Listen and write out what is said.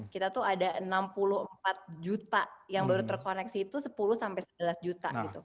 kita tuh ada enam puluh empat juta yang baru terkoneksi itu sepuluh sampai sebelas juta gitu